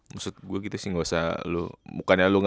maksud gue gitu sih gak usah lupa gitu ya